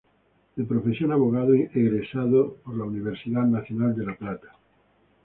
De profesión abogado egresado de la Universidad Nacional de La Plata.